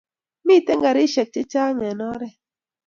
Miten karishek che chang en oret